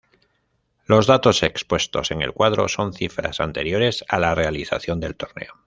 Los datos expuestos en el cuadro son cifras anteriores a la realización del torneo.